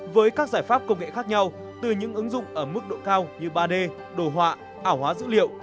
với các giải pháp công nghệ khác nhau từ những ứng dụng ở mức độ cao như ba d đồ họa ảo hóa dữ liệu